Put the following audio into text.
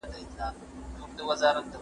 تا په تېر وخت کي خپله ژمنتیا ثابته کړه.